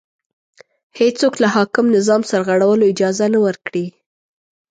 هېڅوک له حاکم نظام سرغړولو اجازه نه ورکړي